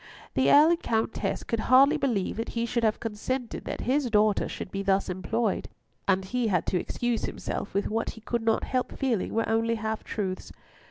The Earl and Countess could hardly believe that he should have consented that his daughter should be thus employed, and he had to excuse himself with what he could not help feeling were only half truths.